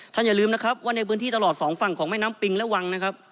ท่านอย่าลืมในพื้นที่ตลอดสองฝั่งไหม้น้ำปิงและวัง